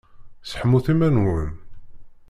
Seḥmut iman-nwen!